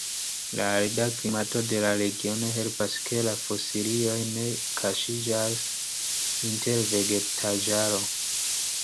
La arida klimato de la regiono helpas ke la fosilioj ne kaŝiĝas inter vegetaĵaro.